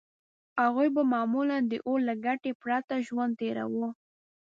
هغوی به معمولاً د اور له ګټې پرته ژوند تېراوه.